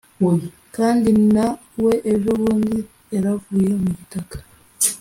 kandi na we ejo bundi yaravuye mu gitaka,